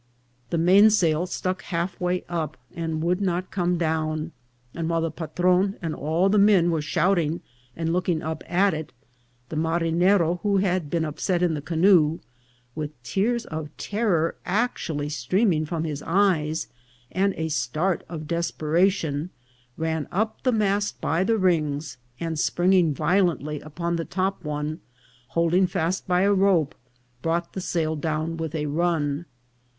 The mainsail stuck half way up, and would not come down ; and while the patron and all the men were shouting and looking up at it, the 'marinero who had : been upset in the canoe, with tears of terror actually streaming from his eyes, and a start of desperation, ran up the mast by the rings, and, springing violently upon the top one, holding fast by a rope, brought the sail down with a run.